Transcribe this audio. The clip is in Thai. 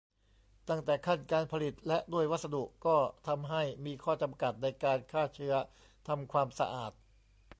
ตั้งแต่ขั้นการผลิต และด้วยวัสดุก็ทำให้มีข้อจำกัดในการฆ่าเชื้อทำความสะอาด